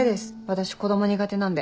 私子供苦手なんで。